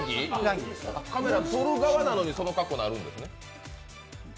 カメラ、その側なのにその格好になるんですね。